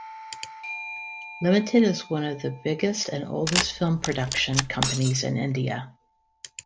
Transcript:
Limited is one of the biggest and oldest film production companies in India.